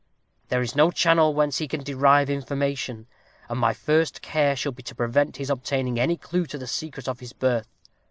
There is no channel whence he can derive information, and my first care shall be to prevent his obtaining any clue to the secret of his birth.